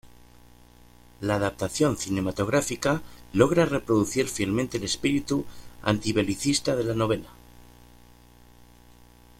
La adaptación cinematográfica logra reproducir fielmente el espíritu antibelicista de la novela.